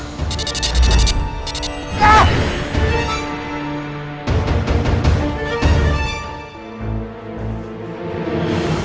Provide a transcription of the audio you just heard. enggak enggak enggak enggak